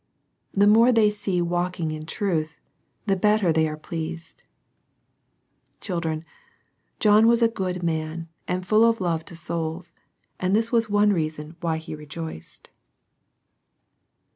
The more they see walking in truth, the better they are pleased. Children, John was a good man, and full of love to souls, and this was one reason why he rejoiced.